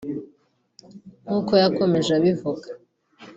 nk’uko yakomeje abivuga